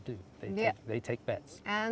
dan kita membuat uang